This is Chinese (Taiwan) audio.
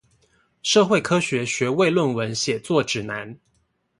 社會科學學位論文寫作指南